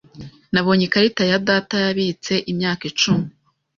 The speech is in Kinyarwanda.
Nabonye ikarita ya data yabitse imyaka icumi.